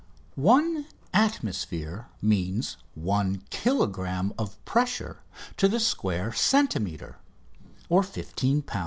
One "atmosphere" means one kilogramme of pressure to the square centimetre (15 lbs.